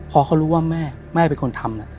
พอเขารู้ว่าแม่แม่เป็นคนทำ